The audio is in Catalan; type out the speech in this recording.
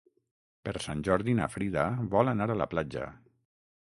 Per Sant Jordi na Frida vol anar a la platja.